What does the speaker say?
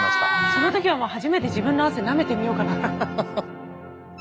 その時はもう初めて自分の汗なめてみようかな。